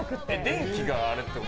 電気があれってこと？